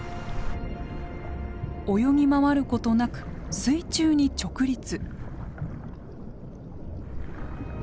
泳ぎ回ることなく水中に直立。